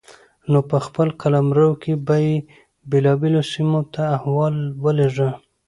نو په خپل قلمرو کې به يې بېلابېلو سيمو ته احوال ولېږه